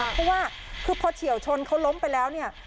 เพราะว่าคือพอเฉียวชนเขาล้มไปแล้วเนี่ย